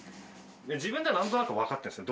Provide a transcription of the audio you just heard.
自分ではなんとなくわかってるんですか？